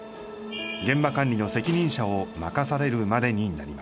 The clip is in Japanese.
現場管理の責任者を任されるまでになりました。